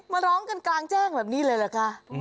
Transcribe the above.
มาร้องกันกลางแจ้งแบบนี้เลยเหรอคะ